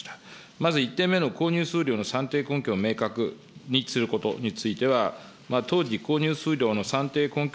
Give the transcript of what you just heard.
まず１点目の購入数量の算定根拠を明確にすることについては当時、購入数量の算定根拠